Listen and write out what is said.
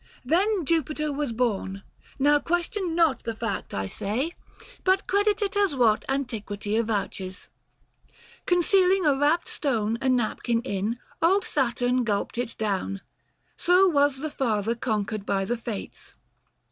225 Then Jupiter was born, now question not The fact, I say, but credit it as what Antiquity avouches ; concealing a wrapped stone A napkin in, old Saturn gulped it down ; So was the father conquered by the Fates.